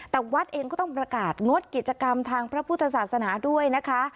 แต่วัดเองก็ต้องประกาศงดกิจกรรมทางพระพุทธศาสนาด้วยนะคะ